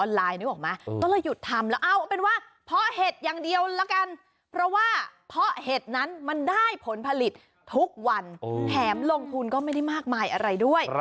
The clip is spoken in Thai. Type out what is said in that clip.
หักภูมิก็ไม่ได้มากมายอะไรด้วย